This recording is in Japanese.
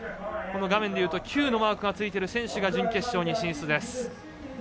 画面でいうとＱのマークがついている選手が準決勝に進出です。